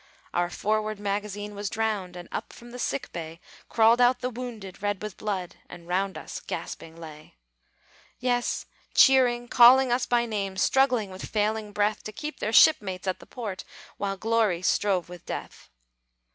Our forward magazine was drowned; And up from the sick bay Crawled out the wounded, red with blood, And round us gasping lay. Yes, cheering, calling us by name, Struggling with failing breath, To keep their shipmates at the port, While glory strove with death.